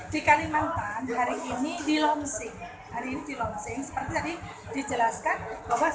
dimana kom tra free peribadiologi resep video dan turun penai roles murphy